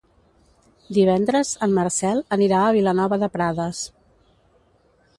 Divendres en Marcel anirà a Vilanova de Prades.